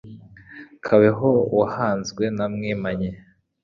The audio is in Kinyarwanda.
Kabeho uwahanzwe na Mwimanyi